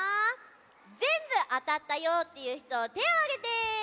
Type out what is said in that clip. ぜんぶあたったよっていうひとてをあげて。